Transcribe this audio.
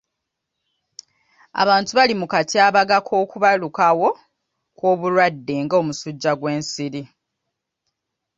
Abantu bali mu katyabaga k'okubalukawo kw'obulwadde nga omusujja gw'ensiri.